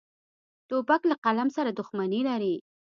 توپک له قلم سره دښمني لري.